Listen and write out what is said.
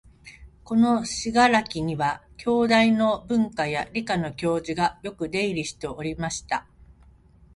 この「信楽」には、京大の文科や理科の教授がよく出入りしておりました